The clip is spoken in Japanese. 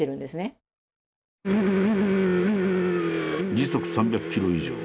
時速３００キロ以上。